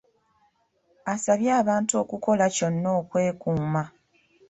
Asabye abantu okukola kyonna okwekuuma.